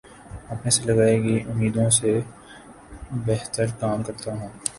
اپنے سے لگائی گئی امیدوں سے بہترکام کرتا ہوں